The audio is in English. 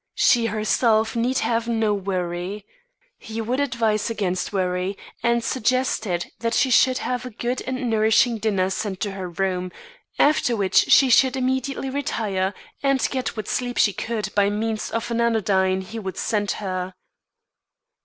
She, herself, need have no worry. He would advise against worry, and suggested that she should have a good and nourishing dinner sent to her room, after which she should immediately retire and get what sleep she could by means of an anodyne he would send her.